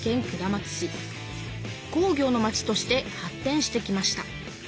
工業の街として発てんしてきました。